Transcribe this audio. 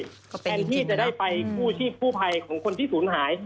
แทนที่จะได้ไปคู่ชีพคู่ภัยของคนที่สูญหาย